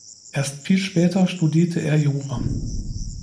Erst viel später studierte er Jura.